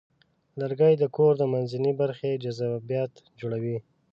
لرګی د کور د منځنۍ برخې جذابیت جوړوي.